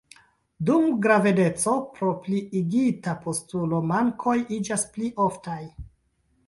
Dum gravedeco, pro pliigita postulo, mankoj iĝas pli oftaj.